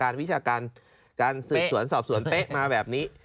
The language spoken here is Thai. วิชาการการสืบสวนสอบสวนเป๊ะมาแบบนี้